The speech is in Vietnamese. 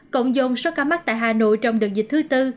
cộng dồn số ca mắc tại hà nội trong đợt dịch thứ tư